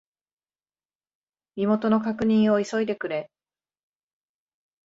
身元の確認を急いでくれ。